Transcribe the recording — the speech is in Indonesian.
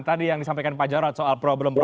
tadi yang disampaikan pak jarod soal problem of power